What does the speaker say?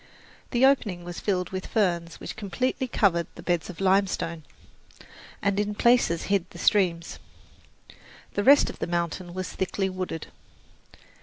The opening was filled with ferns which completely covered the beds of limestone and in places hid the streams. The rest of the mountain was thickly wooded.